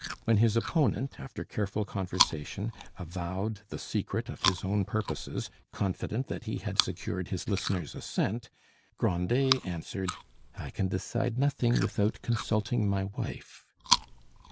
When his opponent, after careful conversation, avowed the secret of his own purposes, confident that he had secured his listener's assent, Grandet answered: "I can decide nothing without consulting my wife."